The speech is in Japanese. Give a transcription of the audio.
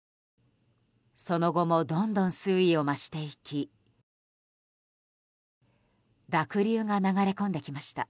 その後もどんどん水位を増していき濁流が流れ込んできました。